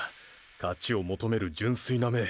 勝ちを求める純粋な目！